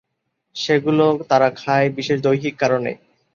সেগুলো তারা খায় বিশেষ দৈহিক কারণে।